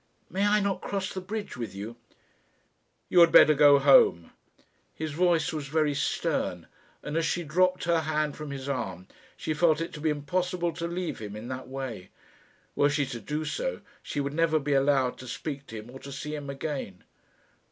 "May I not cross the bridge with you?" "You had better go home." His voice was very stern, and as she dropped her hand from his arm she felt it to be impossible to leave him in that way. Were she to do so, she would never be allowed to speak to him or to see him again.